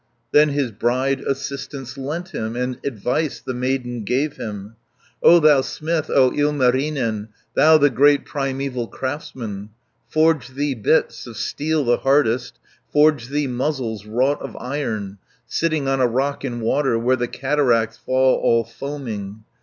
Then his bride assistance lent him, And advice the maiden gave him. 120 "O thou smith, O Ilmarinen, Thou the great primeval craftsman! Forge thee bits, of steel the hardest, Forge thee muzzles wrought of iron, Sitting on a rock in water, Where the cataracts fall all foaming.